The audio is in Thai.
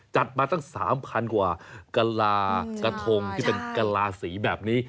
จัดมาตั้ง๓๐๐กว่ากะลากระทงที่เป็นกะลาสีแบบนี้